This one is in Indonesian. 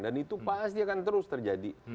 dan itu pasti akan terus terjadi